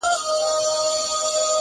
آسمانه ما ستا د ځوانۍ په تمه،